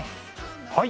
はい！